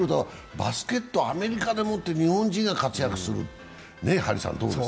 バスケット、アメリカでもって日本人が活躍する。